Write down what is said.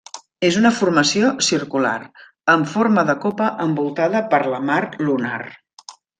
És una formació circular, amb forma de copa envoltada per la mar lunar.